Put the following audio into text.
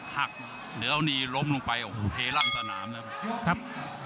หักเดี๋ยวอันนี้ล้มลงไปโอ้โหเทร่างสนามนะครับ